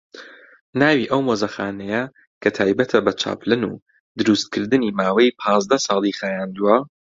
ناوی ئەو مۆزەخانەیە کە تایبەتە بە چاپلن و دروستکردنی ماوەی پازدە ساڵی خایاندووە